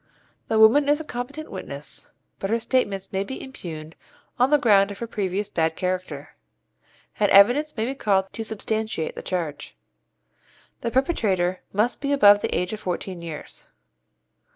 The woman is a competent witness, but her statements may be impugned on the ground of her previous bad character, and evidence may be called to substantiate the charge. The perpetrator must be above the age of fourteen years.